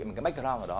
một cái background ở đó